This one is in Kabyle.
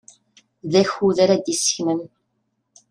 D akud ara d-iseknen.